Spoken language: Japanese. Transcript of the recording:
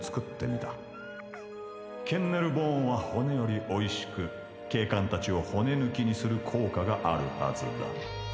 ケンネルボーンはホネよりおいしくけいかんたちをほねぬきにするこうかがあるはずだ。